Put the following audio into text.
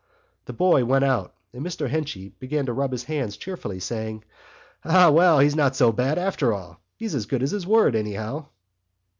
The boy went out and Mr Henchy began to rub his hands cheerfully, saying: "Ah, well, he's not so bad after all. He's as good as his word, anyhow."